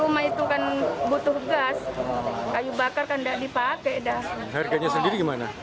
memang untuk apa ini masak atau gimana